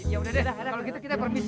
ya udah deh kalau gitu kita permisi ya